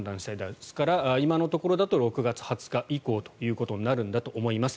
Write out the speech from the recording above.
ですから今のところだと６月２０日以降になるんだと思います。